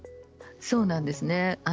そうなんですね。